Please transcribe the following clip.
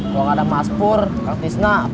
gue gak ada maspur kaktisnak